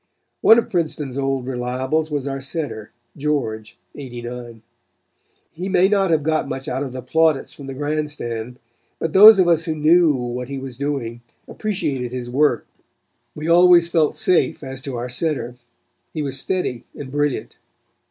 "One of Princeton's old reliables was our center, George, '89. He may not have got much out of the plaudits from the grandstand, but those of us who knew what he was doing appreciated his work. We always felt safe as to our center. He was steady and brilliant.